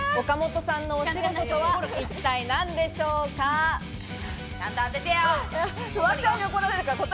岡本さんのお仕事は一体何でしょうか？